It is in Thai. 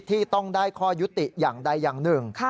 ที่ต้องได้ข้อยุติอย่างใดอย่างหนึ่ง